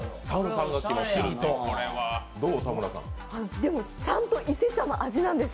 でもちゃんと伊勢茶の味なんですよ。